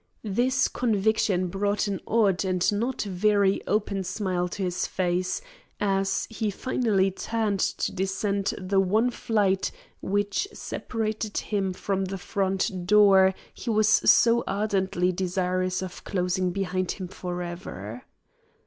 This conviction brought an odd and not very open smile to his face, as he finally turned to descend the one flight which separated him from the front door he was so ardently desirous of closing behind him for ever.